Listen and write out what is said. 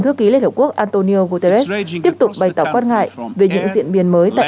giám đốc liên hợp quốc antonio guterres tiếp tục bày tỏ quan ngại về những diễn biến mới tại